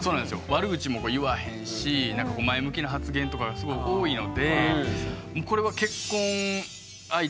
悪口も言わへんしなんか前向きな発言とかがすごい多いのでこれは早い。